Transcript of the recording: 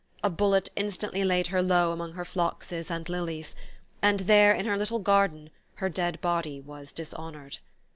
A bullet instantly laid her low among her phloxes and lilies; and there, in her little garden, her dead body was dishonoured.